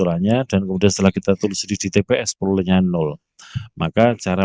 angka lima belas eh form kerja